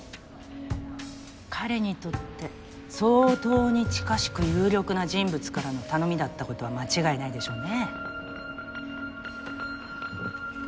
彼にとって相当に近しく有力な人物からの頼みだったことは間違いないでしょうね。